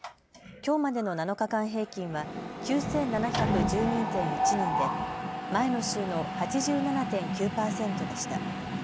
きょうまでの７日間平均は９７１２．１人で前の週の８７．９％でした。